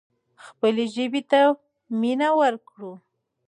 خپلې ژبې ته مینه ورکړو.